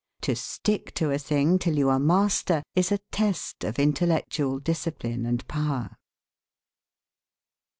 To stick to a thing till you are master, is a test of intellectual discipline and power.